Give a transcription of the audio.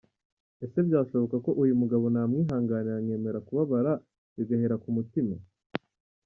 Ese byashoboka ko uyu mugabo namwihanganira nkemera kubabara bigahera ku mutima.